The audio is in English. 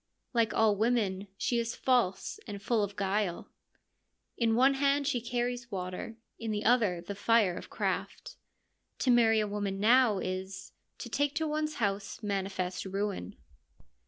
Like all women, she is false and full of guile :' In one hand she carries water, in the other the fire of craft.' To marry a woman now is, ' To take to one's house manifest ruin.'